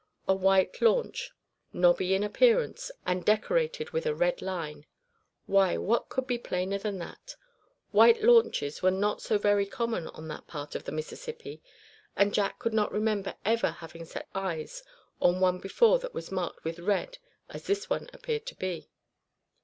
A white launch, nobby in appearance, and decorated with a red line. Why, what could be plainer than that? White launches were not so very common on that part of the Mississippi; and Jack could not remember ever having set eyes on one before that was marked with red as this one appeared to be.